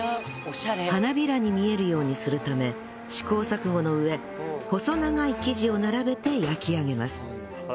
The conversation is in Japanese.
花びらに見えるようにするため試行錯誤の上細長い生地を並べて焼き上げます